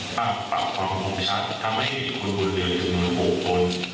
อ่ะปรับความคงชัดทำให้ทุกคนบริเวณถึงมี๖คน